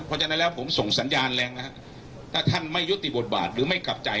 เพราะฉะนั้นผมส่งสัญญาณแรงหทัศนไม่ยุติบทบาทหรือไม่กลับใจ